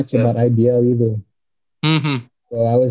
gak tau banyak juga tentang ibl